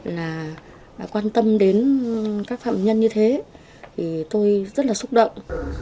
là quan tâm đến các phạm nhân như thế thì tôi rất là xúc động